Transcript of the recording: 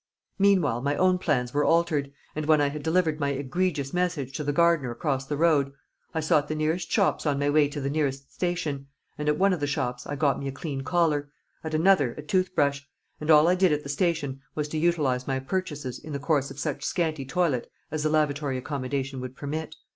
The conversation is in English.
Meanwhile my own plans were altered, and when I had delivered my egregious message to the gardener across the road, I sought the nearest shops on my way to the nearest station; and at one of the shops I got me a clean collar, at another a tooth brush; and all I did at the station was to utilise my purchases in the course of such scanty toilet as the lavatory accommodation would permit.